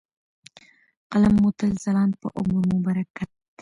، قلم مو تل ځلاند په عمر مو برکت .